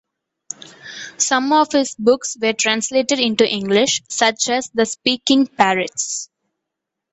Some of his books were translated into English such as "The Speaking Parrots".